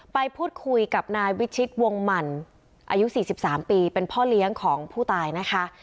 ไปพูดคุยกับนายวิชิตวงหมั่นอายุ๔๓ปีเป็นพ่อเลี้ยงของผู้ตายนะคะ